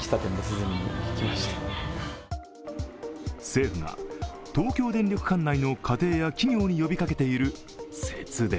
政府が東京電力管内の家庭や企業に呼びかけている節電。